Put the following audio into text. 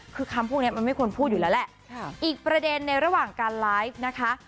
คือคำพวกนี้มันไม่ควรพูดอยู่แล้วแหละอีกประเด็นในระหว่างการไลฟ์นะคะ